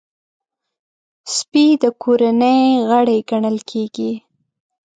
سپي د کورنۍ غړی ګڼل کېږي.